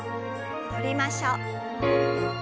戻りましょう。